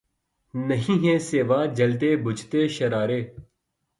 نہیں ھیں سوا جلتے بجھتے شرارے